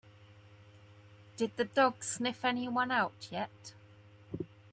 Did the dog sniff anyone out yet?